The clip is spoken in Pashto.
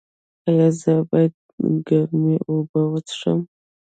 ایا زه باید ګرمې اوبه وڅښم؟